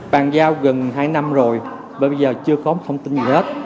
bàn giao gần hai năm rồi bây giờ chưa có thông tin gì hết